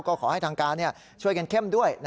ก็ขอให้ทางการช่วยกันเข้มด้วย